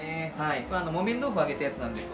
木綿豆腐を揚げたやつなんですよ。